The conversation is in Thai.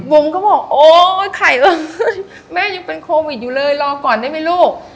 บุ๋มก็บอกโอ๊ยไข่เอ้ยแม่ยังเป็นโควิดอยู่เลยรอก่อนได้ไหมลูก